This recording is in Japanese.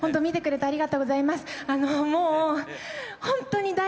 本当に。